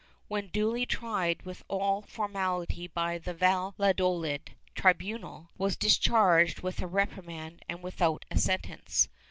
when duly tried with all formality by the Valladolid tribunal, was discharged with a reprimand and without a sentence.